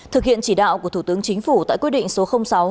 thực hiện chỉ đạo của thủ tướng chính phủ tại quyết định số sáu